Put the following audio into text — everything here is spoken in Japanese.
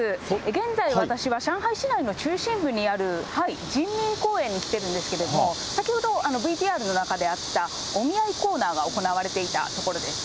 現在、私は上海市内にある人民公園に来てるんですけれども、先ほどＶＴＲの中であったお見合いコーナーが行われていた所です。